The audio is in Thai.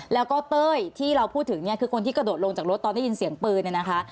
แล้วก็เต้ยที่เราพูดถึงเนี่ยคือคนที่กระโดดลงจากรถตอนได้ยินเสียงปืนเนี่ยนะคะ